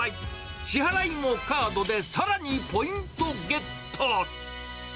支払いもカードでさらにポイントゲット。